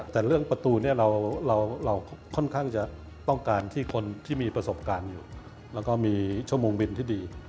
แต่เรื่องประตูเนี่ยเราค่อนข้างจะต้องการที่คนที่มีประสบการณ์อยู่แล้วก็มีชั่วโมงบินที่ดี